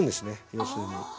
要するに。